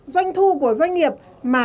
doanh thu của doanh nghiệp mà